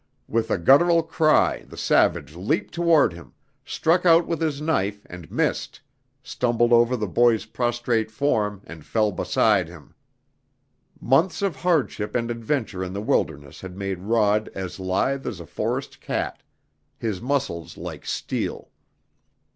With a guttural cry the savage leaped toward him, struck out with his knife and missed, stumbled over the boy's prostrate form and fell beside him. Months of hardship and adventure in the wilderness had made Rod as lithe as a forest cat, his muscles like steel.